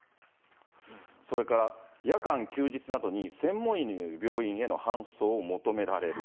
それから夜間、休日などに、専門医のいる病院への搬送を求められる。